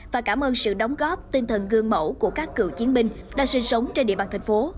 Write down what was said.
và cảm ơn sự đóng góp tinh thần gương mẫu của các cựu chiến binh đang sinh sống trên địa bàn thành phố